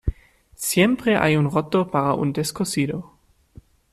Siempre hay un roto para un descosido.